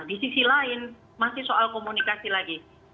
di sisi lain masih soal komunikasi lagi